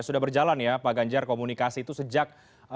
sudah berjalan ya pak ganjar komunikasi itu sejak